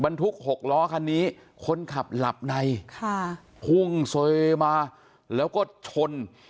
ทุก๖ล้อคันนี้คนขับหลับในค่ะพุ่งเซมาแล้วก็ชน